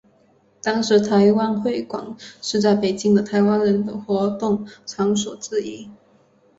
当时台湾会馆是在北京的台湾人的活动场所之一。